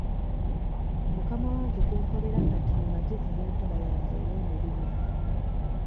Mukama wange gwe nkolera kati mumativu n'enkola yange ey'emirimu.